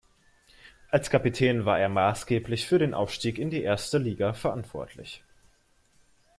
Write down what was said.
Als Kapitän war er maßgeblich für den Aufstieg in die Erste Liga verantwortlich.